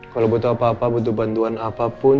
kalau butuh apa apa butuh bantuan apapun